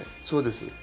そうです。